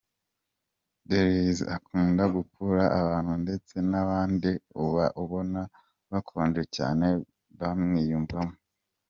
Therese akunda gukurura abantu ndetse na babandi uba ubona bakonje cyane bamwiyumvamo.